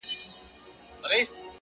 ښه چلند خاموشه ژبه ده.!